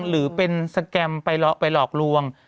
หรือเป็นสแกรมไปหลอกลวง